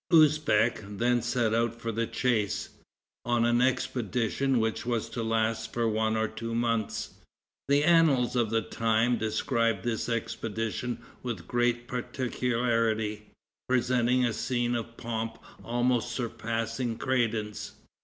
Usbeck then set out for the chase, on an expedition which was to last for one or two months. The annals of the time describe this expedition with great particularity, presenting a scene of pomp almost surpassing credence.